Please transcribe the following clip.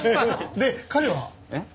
で彼は？